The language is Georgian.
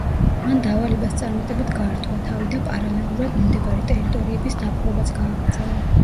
მან დავალებას წარმატებით გაართვა თავი და პარალელურად მიმდებარე ტერიტორიების დაპყრობაც გააგრძელა.